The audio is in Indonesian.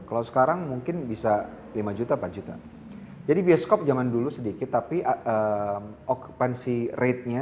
kalau sekarang mungkin bisa lima juta empat juta jadi bioskop zaman dulu sedikit tapi okupansi ratenya